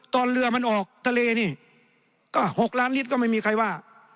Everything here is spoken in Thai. ตอนเรือมันออกทะเลนี่ก็๖ล้านลิตรก็ไม่มีใครว่า